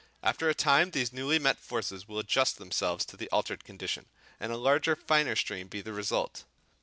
After a time these newly met forces will adjust themselves to the altered condition, and a larger, finer stream be the result.